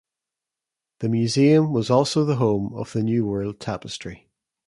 The museum was also the home of the New World Tapestry.